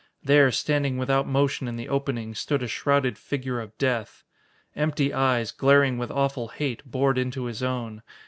There, standing without motion in the opening, stood a shrouded figure of death. Empty eyes, glaring with awful hate, bored into his own.